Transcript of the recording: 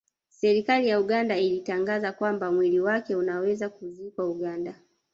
Serikali ya Uganda ilitangaza kwamba mwili wake unaweza kuzikwa Uganda